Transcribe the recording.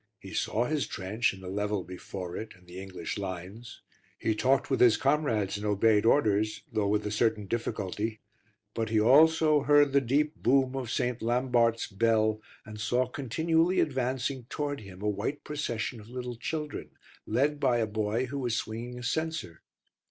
He saw his trench, and the level before it, and the English lines; he talked with his comrades and obeyed orders, though with a certain difficulty; but he also heard the deep boom of St. Lambart's bell, and saw continually advancing towards him a white procession of little children, led by a boy who was swinging a censer.